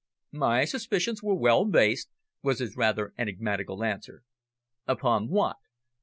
"My suspicions were well based," was his rather enigmatical answer. "Upon what?"